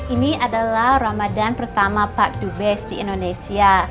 ini adalah ramadan pertama pak dubes di indonesia